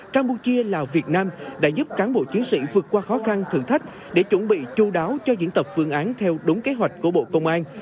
campuchia lào việt nam đã giúp cán bộ chiến sĩ vượt qua khó khăn thử thách để chuẩn bị chú đáo cho diễn tập phương án theo đúng kế hoạch của bộ công an